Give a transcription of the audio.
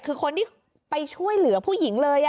คือคนที่ไปช่วยเหลือผู้หญิงเลย